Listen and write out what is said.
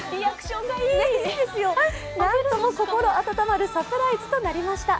なんとも心温まるサプライズとなりました。